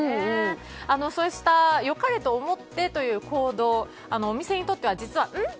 そうした良かれと思ってという行動お店にとっては実はうん？